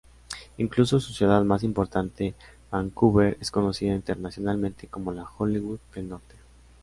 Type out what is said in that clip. Incluso su ciudad más importante, Vancouver, es conocida internacionalmente como la Hollywood del Norte.